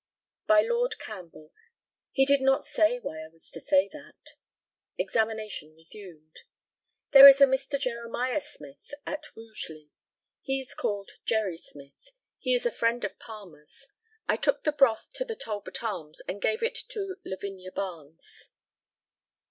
By Lord CAMPBELL. He did not say why I was to say that. Examination resumed. There is a Mr. Jeremiah Smith in Rugeley. He is called "Jerry Smith." He is a friend of Palmer's. I took the broth to the Talbot Arms, and gave it to Lavinia Barnes.